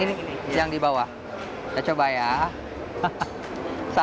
wine pengemis ini di zagelai marin jajan tanpa pengecasan